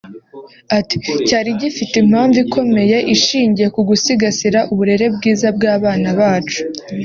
Ati “Cyari gifite impamvu ikomeye ishingiye ku gusigasira uburere bwiza bw’abana bacu